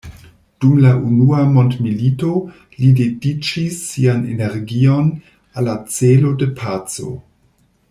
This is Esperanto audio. Dum la Unua mondmilito li dediĉis sian energion al la celo de paco.